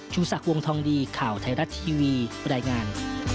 ศักดิ์วงทองดีข่าวไทยรัฐทีวีรายงาน